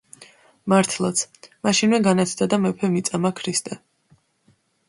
მართლაც, მაშინვე განათდა და მეფემ იწამა ქრისტე.